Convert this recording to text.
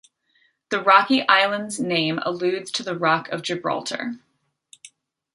The rocky island's name alludes to the Rock of Gibraltar.